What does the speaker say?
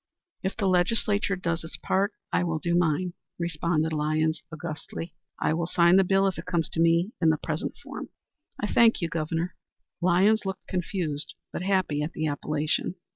"If the legislature does its part, I will do mine," responded Lyons, augustly. "I will sign the bill if it comes to me in the present form." "I thank you, Governor." Lyons looked confused but happy at the appellation.